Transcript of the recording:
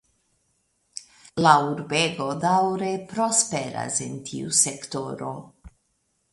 La urbego daŭre prosperas en tiu sektoro.